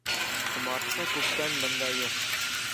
Ҡомартҡы күптән бында юҡ!